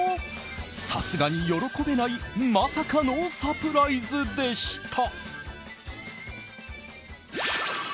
さすがに喜べないまさかのサプライズでした。